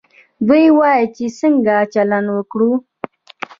دوی وايي چې څنګه چلند وکړو.